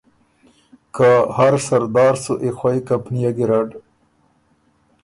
که هر سردار سُو ای خوئ کمپنئے ګیرډ